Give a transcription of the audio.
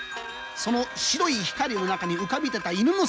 その白い光の中に浮かび出た犬の姿。